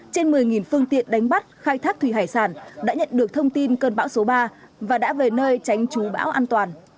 trên một mươi phương tiện đánh bắt khai thác thủy hải sản đã nhận được thông tin cơn bão số ba và đã về nơi tránh trú bão an toàn